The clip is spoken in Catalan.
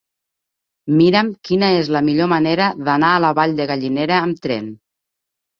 Mira'm quina és la millor manera d'anar a la Vall de Gallinera amb tren.